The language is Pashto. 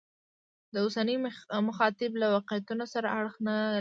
د اوسني مخاطب له واقعیتونو سره اړخ نه لګوي.